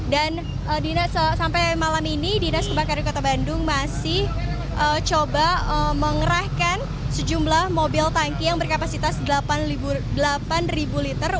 dan sampai malam ini dinas pemadam kebakaran kota bandung masih coba mengerahkan sejumlah mobil tangki yang berkapasitas delapan ribu liter